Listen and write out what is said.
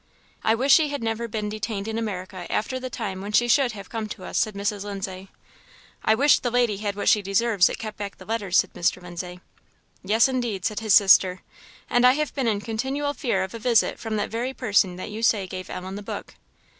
"I wish she had never been detained in America after the time when she should have come to us," said Mrs. Lindsay. "I wish the woman had what she deserves that kept back the letters!" said Mr. Lindsay. "Yes, indeed!" said his sister; "and I have been in continual fear of a visit from that very person that you say gave Ellen the book."